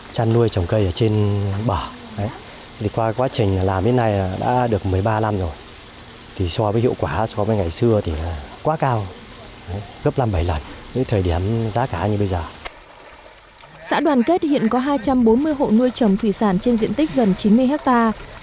xã đoàn kết hiện có hai trăm bốn mươi hộ nuôi trồng thủy sản trên diện tích gần chín mươi hectare